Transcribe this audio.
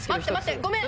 ごめん！